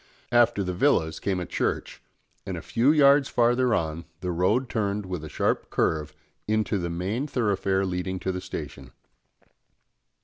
After the villas came a church, and a few yards farther on the road turned with a sharp curve into the main thoroughfare leading to the station.